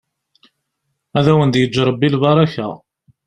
Ad awen-d-yeǧǧ ṛebbi lbaṛaka.